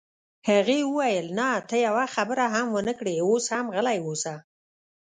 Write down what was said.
هغې وویل: نه، ته یوه خبره هم ونه کړې، اوس هم غلی اوسه.